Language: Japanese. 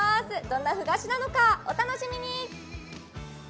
どんなふ菓子なのか、お楽しみに！